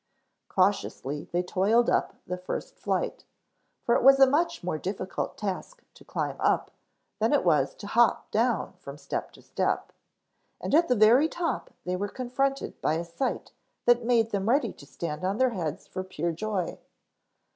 Cautiously they toiled up the first flight, for it was a much more difficult task to climb up than it was to hop down from step to step. And at the very top they were confronted by a sight that made them ready to stand on their heads for pure joy.